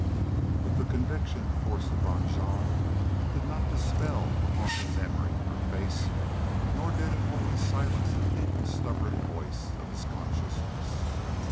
But the conviction forced upon Jean did not dispel the haunting memory of her face nor did it wholly silence the deep and stubborn voice of his consciousness.